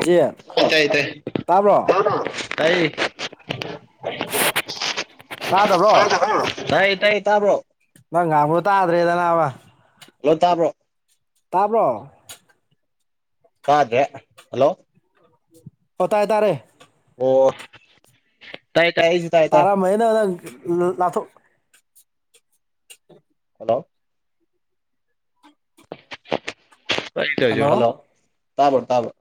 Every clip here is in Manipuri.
ꯏꯆꯦ ꯇꯥꯏ ꯇꯥꯏ ꯇꯥꯕ꯭ꯔꯣ ꯇꯥꯏ ꯇꯥꯗꯕ꯭ꯔꯣ ꯇꯥꯏ ꯇꯥꯏ ꯇꯥꯕꯔꯣ ꯅꯪ ꯉꯥꯡꯕꯨ ꯇꯥꯗ꯭ꯔꯦꯗ ꯅꯥꯕꯥ ꯂꯣ ꯇꯥꯕ꯭ꯔꯣ ꯇꯥꯕ꯭ꯔꯣ ꯇꯥꯗꯦ ꯍꯜꯂꯣ ꯑꯣ ꯇꯥꯏ ꯇꯥꯔꯦ ꯑꯣ ꯇꯥꯏ ꯇꯥꯏ ꯑꯩꯁꯤ ꯇꯥꯔꯦ ꯇꯥꯏ [unintelligible] ꯂꯥꯛꯊꯣꯛ ꯍꯜꯂꯣ [inaudible] ꯍꯜꯂꯣ ꯇꯥꯕꯔ ꯇꯥꯕꯔ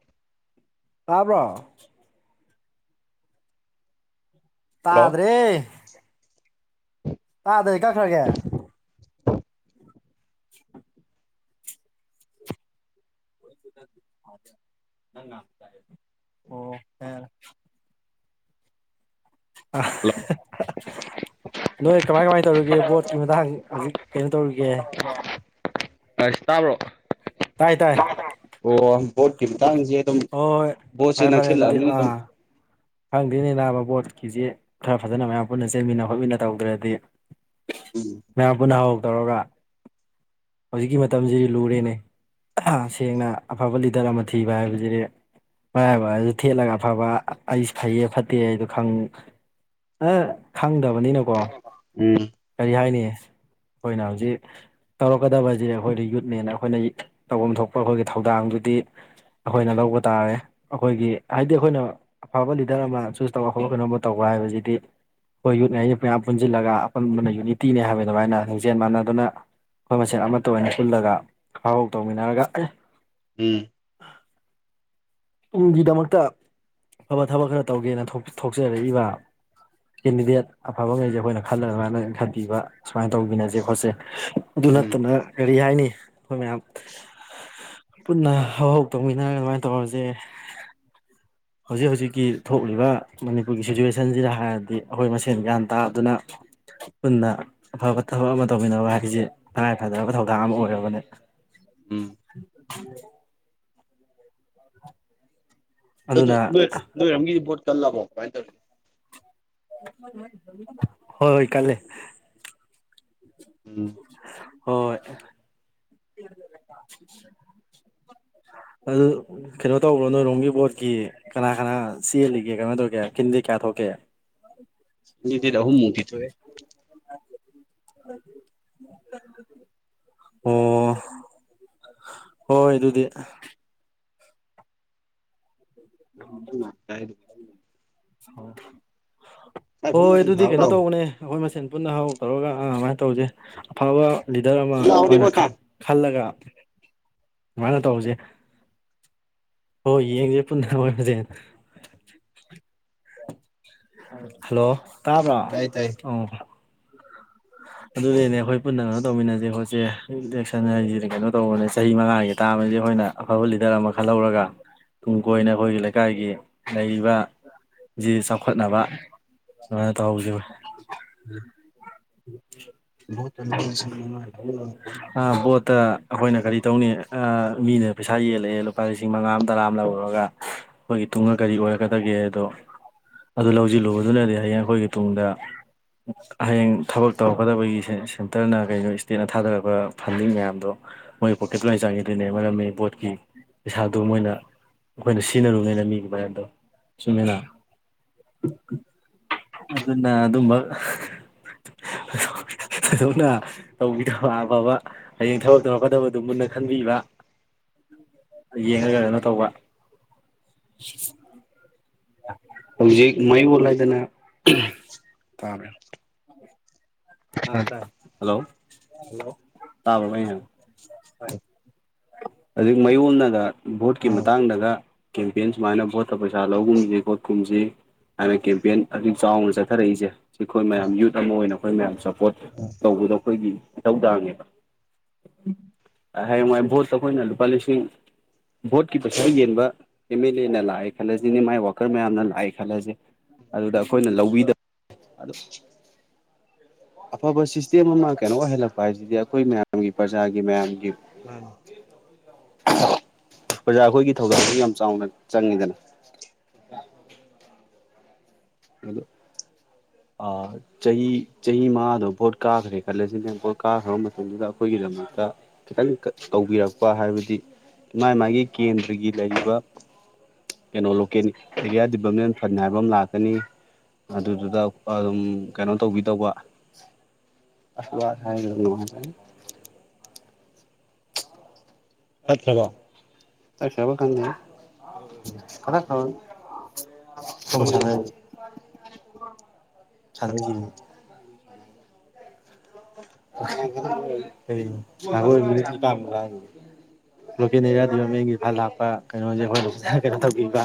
ꯇꯥꯕꯔꯣ ꯍꯜꯂꯣ ꯇꯥꯗ꯭ꯔꯦ ꯇꯥꯗꯔꯗꯤ ꯀꯛꯈꯔꯒꯦ [inaudible] [inaudible] ꯑꯣ ꯌꯥꯔꯦ ꯌꯥꯔꯦ ꯍꯜꯂꯣ [unintelligible] ꯅꯣꯏ ꯀꯃꯥꯏ ꯀꯃꯥꯏ ꯇꯧꯔꯤꯒꯦ ꯕꯣꯠꯀꯤ ꯃꯇꯥꯡ ꯍꯧꯖꯤꯛ ꯀꯩꯅꯣ ꯇꯧꯔꯤꯒꯦ ꯑꯁ ꯇꯥꯕ꯭ꯔꯣ ꯇꯥꯏ ꯇꯥꯏ ꯑꯣ ꯕꯣꯠꯀꯤ ꯃꯇꯥꯡꯖꯦ ꯑꯗꯨꯝ ꯍꯣꯏ ꯕꯣꯠꯁꯦ ꯐꯔꯦ ꯐꯔꯦ ꯑꯗꯨꯗꯤ ꯅꯛꯁꯤꯜꯂꯛꯑꯝꯅꯤꯅ ꯑꯗꯨꯝ ꯑꯥ ꯈꯪꯗꯦꯅꯦ ꯅꯥꯕ ꯕꯣꯠꯀꯤꯖꯤ ꯈꯔ ꯐꯖꯅ ꯃꯌꯥꯝ ꯄꯨꯟꯅ ꯆꯦꯟꯃꯤꯟꯅ ꯈꯣꯠꯃꯤꯟꯅ ꯇꯧꯗ꯭ꯔꯗꯤ ꯃꯌꯥꯝ ꯄꯨꯟꯅ ꯍꯧ ꯍꯧ ꯇꯧꯔꯒ ꯍꯧꯖꯤꯛꯀꯤ ꯃꯇꯝꯁꯤꯗꯤ ꯂꯨꯔꯦꯅꯦ ꯁꯦꯡꯅ ꯑꯐꯕ ꯂꯤꯗꯔ ꯑꯃ ꯊꯤꯕ ꯍꯥꯏꯕꯁꯤꯗꯤ ꯃꯔꯥꯏꯕꯁꯤ ꯊꯦꯠꯂꯒ ꯑꯐꯕ ꯑꯩꯁ ꯐꯩꯌꯦ ꯐꯠꯇꯦ ꯍꯥꯏꯗꯣ ꯈꯪ ꯑꯥ ꯈꯪꯗꯕꯅꯤꯅꯀꯣ ꯎꯝ ꯀꯔꯤ ꯍꯥꯏꯅꯤ ꯑꯩꯈꯣꯏꯅ ꯍꯧꯖꯤꯛ ꯇꯧꯔꯛꯀꯗꯕꯖꯦ ꯑꯩꯈꯣꯏꯅ ꯌꯨꯠꯃꯦꯟ ꯑꯩꯈꯣꯏꯅ ꯇꯧꯐꯝ ꯊꯣꯛꯄ ꯑꯩꯈꯣꯏꯒꯤ ꯊꯧꯗꯥꯡꯗꯨꯗꯤ ꯑꯩꯈꯣꯏꯅ ꯂꯧꯕ ꯇꯥꯔꯦ ꯑꯩꯈꯣꯏꯒꯤ ꯍꯥꯏꯗꯤ ꯑꯩꯈꯣꯏꯅ ꯑꯐꯕ ꯂꯤꯗꯔ ꯑꯃ ꯆꯨꯁ ꯇꯧꯔꯒ ꯍꯧꯠ ꯈꯣꯠꯅꯕ ꯇꯧꯕ ꯍꯥꯏꯕꯁꯤꯗꯤ ꯑꯩꯈꯣꯏ ꯌꯨꯠꯅꯤ ꯍꯥꯏꯁꯤ ꯃꯌꯥꯝ ꯄꯨꯟꯁꯤꯜꯂꯒ ꯄꯟꯕꯅ ꯌꯨꯅꯤꯇꯤꯅꯦ ꯍꯥꯏꯕ ꯑꯗꯨꯃꯥꯏꯅ ꯂꯤꯡꯖꯦꯜ ꯃꯥꯟꯅꯗꯅ ꯑꯩꯈꯣꯏ ꯃꯁꯦꯟ ꯑꯃꯠꯇ ꯑꯣꯏꯅ ꯁꯤꯜꯂꯒ ꯍꯧꯍꯧ ꯇꯧꯃꯤꯟꯅꯔꯒ ꯑꯦ ꯎꯝ ꯇꯨꯡꯒꯤꯗꯃꯛꯇ ꯑꯐꯕ ꯊꯕꯛ ꯈꯔ ꯇꯧꯒꯦꯅ ꯊꯣ ꯊꯣꯛꯆꯔꯛꯏꯕ ꯀꯦꯟꯗꯤꯗꯦꯠ ꯑꯐꯕꯉꯩꯁꯦ ꯑꯩꯈꯣꯏꯅ ꯈꯜꯂꯒ [unintelligible] ꯏꯟꯈꯠꯄꯤꯕ ꯁꯨꯃꯥꯏ ꯇꯕꯃꯤꯟꯅꯁꯦ ꯈꯣꯠꯁꯦ ꯑꯗꯨ ꯎꯝ ꯅꯠꯇꯅ ꯀꯔꯤ ꯍꯥꯏꯅꯤ ꯑꯩꯈꯣꯏ ꯃꯌꯥꯝ ꯄꯨꯟꯅ ꯍꯧꯍꯧ ꯇꯧꯃꯤꯟꯅꯔꯒ ꯑꯗꯨꯃꯥꯏ ꯇꯧꯔꯖꯦ ꯍꯧꯖꯤꯛ ꯍꯧꯖꯤꯛꯀꯤ ꯊꯣꯛꯂꯤꯕ ꯃꯅꯤꯄꯨꯔꯒꯤ ꯁꯤꯆꯨꯋꯦꯁꯟꯁꯤꯗ ꯍꯥꯏꯔꯗꯤ ꯑꯩꯈꯣꯏ ꯃꯁꯦꯟ ꯒ꯭ꯌꯥꯟ ꯇꯥꯗꯨꯅ ꯄꯨꯟꯅ ꯑꯐꯕ ꯊꯕꯛ ꯑꯃ ꯇꯧꯃꯤꯟꯅꯕ ꯍꯥꯏꯕꯗꯤ ꯇꯉꯥꯏꯐꯗꯔꯕ ꯊꯧꯗꯥꯡ ꯑꯃ ꯑꯣꯏꯔꯕꯅꯦ ꯎꯝ [inaudible] ꯅꯣꯏꯗꯤ ꯑꯗꯨꯅ ꯅꯣꯏ ꯅꯣꯏꯔꯣꯝꯒꯤ ꯚꯣꯠ ꯀꯜꯂꯕꯣ ꯀꯃꯥꯏ ꯇꯧꯔꯤ ꯍꯣꯏ ꯍꯣꯏ ꯀꯜꯂꯦ ꯎꯝ ꯍꯣꯏ ꯍꯣꯏ [inaudible] ꯑꯗꯨ ꯀꯩꯅꯣ ꯇꯧꯕ꯭ꯔꯣ ꯅꯣꯏꯔꯣꯝꯒꯤ ꯕꯣꯠꯀꯤ ꯀꯅꯥ ꯀꯅꯥ ꯆꯦꯜꯂꯤꯒꯦ ꯀꯩꯅꯣ ꯇꯧꯔꯤꯒꯦ ꯀꯦꯟꯗꯦꯠ ꯀꯌꯥ ꯊꯣꯛꯀꯦ ꯀꯦꯟꯗꯤꯗꯦꯠ ꯑꯍꯨꯝ ꯃꯨꯛꯇꯤ ꯊꯣꯛꯑꯦ ꯑꯣ ꯍꯣꯏ ꯍꯣꯏ ꯑꯗꯨꯗꯤ [unintelligible] ꯍꯣꯏ ꯑꯗꯨꯗꯤ ꯀꯩꯅꯣ ꯇꯧꯕꯅꯦ ꯑꯩꯈꯣꯏ ꯃꯁꯦꯟ ꯄꯨꯟꯅ ꯍꯧ ꯍꯧ ꯇꯧꯔꯒ ꯑꯥ ꯑꯗꯨꯃꯥꯏ ꯇꯧꯔꯖꯦ ꯑꯐꯕ ꯂꯤꯗꯔ ꯑꯃ ꯑꯩꯈꯣꯏꯅ ꯈꯜ ꯈꯜꯂꯒ ꯑꯗꯨꯃꯥꯏꯅ ꯇꯧꯕꯁꯦ ꯍꯣꯏ ꯌꯦꯡꯖꯦ ꯄꯨꯟꯅ ꯍꯣꯠꯅꯖꯦ ꯍꯜꯂꯣ ꯇꯥꯕ꯭ꯔꯣ ꯇꯥꯏ ꯇꯥꯏ ꯑꯣ ꯑꯗꯨꯅꯤꯅꯦ ꯑꯩꯈꯣꯏ ꯄꯨꯟꯅ ꯀꯩꯅꯣ ꯇꯧꯃꯤꯟꯅꯖꯦ ꯈꯣꯠꯁꯦ ꯏꯂꯦꯛꯁꯟ ꯍꯥꯏꯖꯤꯗꯤ ꯀꯩꯅꯣ ꯇꯧꯕꯅꯦ ꯆꯍꯤ ꯃꯉꯥꯒꯤ ꯇꯥꯝꯖꯤꯗꯤ ꯑꯩꯈꯣꯏꯅ ꯑꯐꯕ ꯂꯤꯗꯔ ꯑꯃ ꯈꯜꯍꯧꯔꯒ ꯇꯨꯡ ꯀꯣꯏꯅ ꯑꯩꯈꯣꯏꯒꯤ ꯂꯩꯀꯥꯏꯒꯤ ꯂꯩꯔꯤꯕ ꯖꯤ ꯆꯥꯎꯈꯠꯅꯕ ꯑꯗꯨꯃꯥꯏꯅ ꯇꯧꯍꯧꯖꯦꯕ ꯚꯣꯠꯇ [unintelligible] ꯑꯥ ꯕꯣꯠꯇ ꯑꯩꯈꯣꯏꯅ ꯀꯔꯤ ꯇꯧꯅꯤ ꯑꯥ ꯃꯤꯅ ꯄꯩꯁꯥ ꯌꯦꯜꯂꯛꯑꯦ ꯂꯨꯄꯥ ꯂꯤꯁ ꯁꯤꯡ ꯃꯉꯥ ꯑꯝ ꯇꯔꯥ ꯑꯃ ꯂꯧꯔꯨꯔꯒ ꯑꯩꯈꯣꯏꯒꯤ ꯇꯨꯡꯗ ꯀꯔꯤ ꯑꯣꯏꯔꯛꯀꯗꯒꯦ ꯑꯗꯣ ꯑꯗꯨ ꯂꯧꯖꯤꯜꯂꯨꯕꯗꯨꯅꯗꯤ ꯍꯌꯦꯡ ꯑꯈꯣꯏꯒꯤ ꯇꯨꯡꯗ ꯍꯌꯦꯡ ꯊꯕꯛ ꯇꯧꯔꯛꯀꯗꯕꯒꯤ ꯁꯦꯟ ꯁꯦꯟꯇꯔꯅ ꯀꯩꯅꯣ ꯏꯁꯇꯦꯠꯅ ꯊꯥꯗꯔꯛꯄ ꯐꯟꯗꯤꯡ ꯃꯌꯥꯝꯗꯣ ꯃꯣꯏ ꯄꯣꯀꯦꯠꯇ ꯂꯥꯏ ꯆꯪꯒꯤꯗꯣꯏꯅꯦ ꯃꯔꯝꯗꯤ ꯕꯣꯠꯀꯤ ꯄꯩꯁꯥꯗꯨ ꯃꯣꯏꯅ ꯑꯈꯣꯏꯅ ꯁꯤꯖꯤꯟꯅꯔꯨꯅꯤꯅ ꯃꯤ ꯒꯤ ꯃꯔꯟꯗꯣ ꯆꯨꯝꯃꯦꯅ ꯑꯗꯨꯅ ꯑꯗꯨꯝꯕ ꯊꯣꯏꯗꯣꯛꯅ ꯇꯧꯕꯤꯗꯕ ꯑꯐꯕ ꯍꯌꯦꯡ ꯊꯕꯛ ꯇꯧꯔꯛꯀꯗꯕꯗꯨ ꯃꯨꯟꯅ ꯈꯟꯕꯤꯕ [inaudible] ꯌꯦꯡꯉꯒ ꯀꯩꯅꯣ ꯇꯧꯕ ꯍꯧꯖꯤꯛ ꯃꯌꯣꯜ ꯃꯥꯌꯣꯜ ꯍꯥꯏꯁꯤꯅꯤ ꯍꯥꯏꯗꯅꯥ ꯇꯥꯕ꯭ꯔꯥ ꯑꯥ ꯇꯥꯏ ꯍꯜꯂꯣ ꯇꯥꯕ꯭ꯔ ꯑꯩ ꯍꯥꯏ ꯇꯥꯏ ꯍꯧꯖꯤꯛ ꯃꯌꯣꯜꯅꯒ ꯚꯣꯠꯀꯤ ꯃꯇꯥꯡꯗꯒ ꯀꯦꯝꯄꯤꯌꯟ ꯁꯨꯃꯥꯏꯅ ꯚꯣꯠꯇ ꯄꯩꯁꯥ ꯂꯧꯒꯨꯝꯖꯤ ꯈꯣꯠꯀꯨꯝꯖꯤ ꯍꯥꯏꯅ ꯀꯦꯝꯄꯤꯌꯟ ꯍꯧꯖꯤꯛ ꯆꯥꯎꯅ ꯆꯠꯊꯔꯛꯏꯁꯦ ꯁꯤ ꯑꯩꯈꯣꯏ ꯃꯌꯥꯝ ꯌꯨꯠ ꯑꯃ ꯑꯣꯏꯅ ꯑꯩꯈꯣꯏ ꯃꯌꯥꯝ ꯁꯞꯄ꯭ꯔꯣꯠ ꯑꯥ ꯇꯧꯕꯗꯣ ꯑꯩꯈꯣꯏꯒꯤ ꯏꯊꯧꯗꯥꯡꯅꯦꯕ ꯍꯌꯦꯡ ꯋꯥꯏ ꯚꯣꯠꯇ ꯑꯩꯈꯣꯏꯅ ꯂꯨꯄꯥ ꯂꯤꯁꯤꯡ ꯚꯣꯠꯀꯤ ꯄꯩꯁꯥ ꯌꯦꯟꯕ ꯑꯦꯝ ꯑꯦꯜ ꯂꯦꯅ ꯂꯥꯛꯑꯦ ꯈꯜꯂꯁꯤꯅꯦ ꯃꯥꯏ ꯋꯥꯀꯔ ꯃꯌꯥꯝꯅ ꯂꯥꯛꯑꯦ ꯈꯜꯂꯖꯤ ꯑꯗꯨꯗ ꯑꯩꯈꯣꯏꯅ ꯂꯧꯕꯤꯗꯞ ꯑꯗꯨ ꯑꯐꯕ ꯁꯤꯁꯇꯦꯝ ꯑꯃ ꯀꯩꯅꯣ ꯑꯣꯏꯍꯜꯂꯛꯄ ꯍꯥꯏꯁꯤꯗꯤ ꯑꯩꯈꯣꯏ ꯃꯌꯥꯝꯒꯤ ꯄ꯭ꯔꯖꯥꯒꯤ ꯃꯌꯥꯝꯒꯤ ꯃꯥꯟꯅꯤ ꯄ꯭ꯔꯖꯥ ꯑꯈꯣꯏꯒꯤ ꯊꯧꯗꯥꯡꯁꯨ ꯌꯥꯝ ꯆꯥꯎꯅ ꯆꯪꯉꯤꯗꯅꯥ ꯑꯗꯨ ꯑꯥ ꯆꯍꯤ ꯆꯍꯤ ꯃꯉꯥꯗꯣ ꯚꯣꯠ ꯀꯥꯈ꯭ꯔꯦ ꯈꯜꯂꯁꯤꯅꯦ ꯚꯣꯠ ꯀꯥꯈ꯭ꯔꯕ ꯃꯇꯝꯗꯨꯗ ꯑꯈꯣꯏꯒꯤꯗꯃꯛꯇ ꯈꯤꯇꯪ ꯀ ꯇꯧꯕꯤꯔꯛꯄ ꯍꯥꯏꯕꯗꯤ ꯃꯥꯥꯏ ꯃꯥꯒꯤ ꯀꯦꯟꯗ꯭ꯔꯒꯤ ꯂꯩꯔꯤꯕ ꯀꯩꯅꯣ ꯂꯣꯀꯦꯜ ꯑꯦꯔꯤꯌꯥ ꯗꯤꯕꯂꯞꯃꯦꯟ ꯐꯟ ꯍꯥꯏꯕ ꯑꯝ ꯂꯥꯛꯀꯅꯤ ꯑꯗꯨꯗꯨꯗ ꯑꯛ ꯑꯗꯨꯝ ꯀꯩꯅꯣ ꯇꯧꯕꯤꯗꯧꯕ [unintelligible] ꯇꯠꯈ꯭ꯔꯕꯣ ꯇꯠꯈꯔ꯭ꯕ ꯈꯪꯗꯦꯉꯣ ꯁꯥꯟꯅ [unintelligible] [unintelligible] ꯁꯥꯟꯅꯩꯁꯤꯅꯤ ꯆꯠꯂꯅꯤ ꯅꯠꯇꯗꯤ [unintelligible] ꯂꯣꯀꯦꯜ ꯑꯦꯔꯤꯌꯥ ꯗꯤꯕꯂꯞꯃꯦꯟꯒꯤ ꯐꯟ ꯂꯥꯛꯄ ꯀꯩꯅꯣꯁꯦ ꯑꯈꯣꯏꯒꯤ ꯀꯩꯅꯣ ꯇꯧꯕꯤꯕ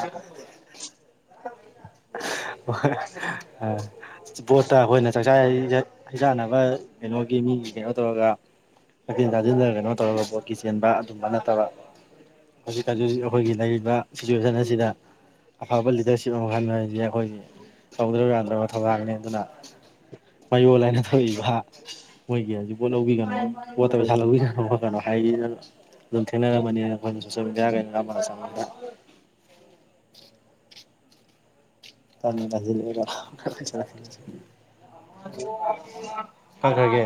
ꯕꯣꯠꯇ ꯑꯈꯣꯏꯅ ꯆꯥꯛꯆꯥꯔꯤꯖꯦ ꯍꯩꯖꯥꯟꯅꯕ ꯀꯩꯅꯣꯒꯤ ꯃꯤꯒꯤ ꯀꯩꯅꯣ ꯇꯧꯔꯒ ꯊꯛꯆꯤꯟ ꯆꯥꯁꯤꯟꯗꯒ ꯀꯩꯅꯣ ꯇꯧꯔꯒ ꯕꯣꯠꯀꯤ ꯆꯦꯟꯕ ꯑꯗꯨꯝꯕ ꯅꯠꯇꯕ ꯍꯧꯖꯤꯛꯀꯥꯟꯖꯤꯖꯤꯛ ꯑꯈꯣꯏꯒꯤ ꯂꯩꯔꯤꯕ ꯁꯤꯆꯨꯋꯦꯁꯟ ꯑꯁꯤꯗ ꯑꯐꯕ ꯂꯤꯗꯔꯁꯤꯞ ꯑꯃ ꯈꯟꯕ ꯍꯥꯏꯕꯁꯦ ꯑꯈꯣꯏꯒꯤ ꯇꯧꯗ꯭ꯔꯕ ꯌꯥꯗ꯭ꯔꯕ ꯊꯕꯛꯅꯤ ꯗꯨꯅ ꯃꯌꯣꯜ ꯍꯥꯏꯅ ꯊꯣꯛꯏꯕ ꯃꯣꯏꯒꯤ ꯍꯥꯏꯖꯤꯛ ꯄꯣꯠ ꯂꯧꯕꯤꯒꯅꯨ ꯕꯣꯠꯇ ꯄꯩꯁꯥ ꯂꯧꯕꯤꯒꯅꯨ ꯀꯩꯅꯣ ꯍꯥꯏꯔꯤꯗꯅ ꯑꯗꯨꯝ ꯊꯦꯡꯅꯔꯝꯃꯅꯤꯅ ꯑꯈꯣꯏꯅ ꯁꯣꯁꯤꯑꯦꯜ ꯃꯦꯗꯤꯌꯥ ꯒꯩ ꯅꯝꯃꯒꯥ ꯆꯪꯕꯗ ꯇꯟꯕꯨ ꯇꯟꯁꯟꯂꯛꯑꯦꯗ ꯀꯛꯈꯔ꯭ ꯒꯦ